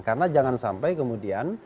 karena jangan sampai kemudian